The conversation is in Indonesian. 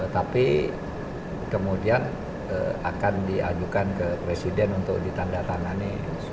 tapi kemudian akan diajukan ke presiden untuk ditandatangani